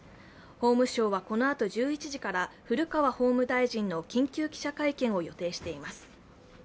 法務省はこのあと１１時から古川法務大臣の緊急記者会見を予定しています。